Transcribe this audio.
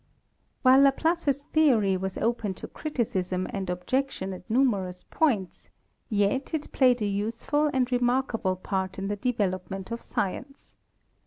While Laplace's theory was open to criticism and objec tion at numerous points, yet it played a useful and remarkable part in the development of science.